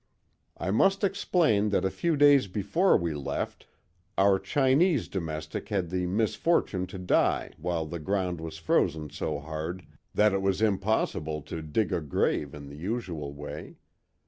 I must explain that a few days before we left, our Chinese domestic had the misfortune to die while the ground was frozen so hard that it was impossible to dig a grave in the usual way.